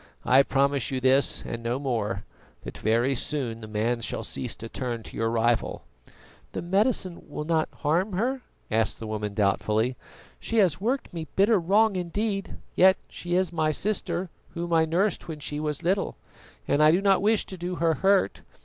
I promise you this and no more, that very soon the man shall cease to turn to your rival." "The medicine will not harm her?" asked the woman doubtfully. "She has worked me bitter wrong indeed, yet she is my sister, whom I nursed when she was little, and I do not wish to do her hurt.